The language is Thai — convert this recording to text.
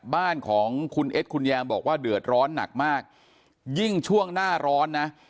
บ้านของคุณเอ็ดคุณแยมบอกว่าเดือดร้อนหนักมากยิ่งช่วงหน้าร้อนนะ